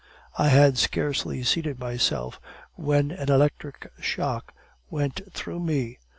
I had scarcely seated myself when an electric shock went through me.